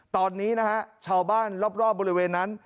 ตอนนี้นะฮะชาวบ้านรอบบริเวณนั้น